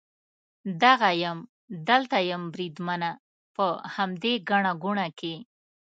دغه یم، دلته یم بریدمنه، په همدې ګڼه ګوڼه کې.